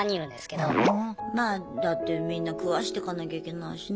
まあだってみんな食わしてかなきゃいけないしね。